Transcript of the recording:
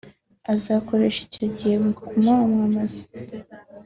azakoresha icyo gihe mu kumwamamaza